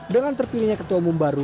dengan terpilihnya ketua umum baru